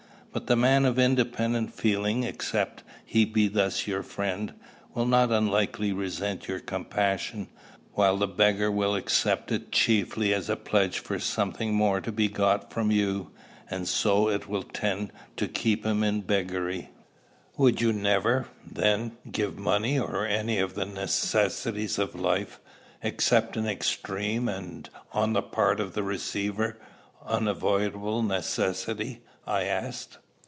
But the man of independent feeling, except he be thus your friend, will not unlikely resent your compassion, while the beggar will accept it chiefly as a pledge for something more to be got from you; and so it will tend to keep him in beggary." "Would you never, then, give money, or any of the necessaries of life, except in extreme, and, on the part of the receiver, unavoidable necessity?" I asked.